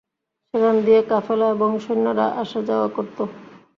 সেখান দিয়ে কাফেলা এবং সৈন্যরা আসা-যাওয়া করত।